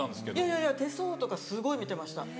いやいや手相とかすごい見てました。